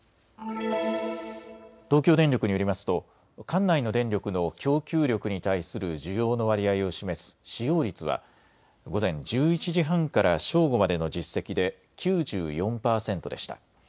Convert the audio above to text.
東京電力によりますと管内の電力の供給力に対する需要の割合を示す使用率は午前１１時半から正午までの実績で９４％でした。